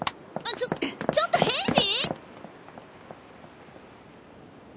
ちょちょっと平次！？